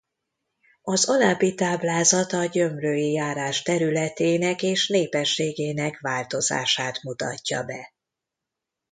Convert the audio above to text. Az alábbi táblázat a Gyömrői járás területének és népességének változását mutatja be.